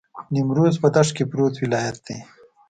نیمروز په دښت کې پروت ولایت دی.